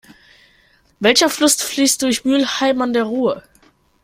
Welcher Fluss fließt durch Mülheim an der Ruhr?